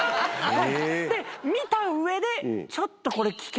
で見た上で「ちょっと」。